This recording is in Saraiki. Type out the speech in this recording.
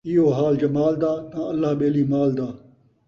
ایہو حال جمال دا تاں اللہ ٻیلی مال دا